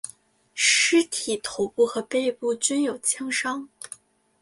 尸体头部和背部均有枪伤。